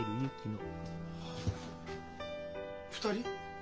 ２人？